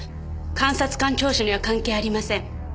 監察官聴取には関係ありません。